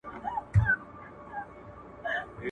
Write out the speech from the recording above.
خپل کټ پاک وساتئ.